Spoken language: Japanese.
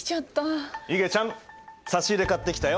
いげちゃん差し入れ買ってきたよ。